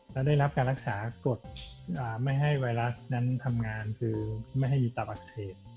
แล้วได้รับการรักษากฎไม่ให้ไวรัสนั้นทำงานคือไม่ให้มีตับอักเสบ